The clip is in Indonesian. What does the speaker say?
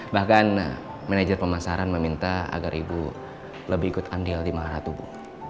bahkan manajer pemasaran meminta agar ibu lebih ikut andil di maharatu bu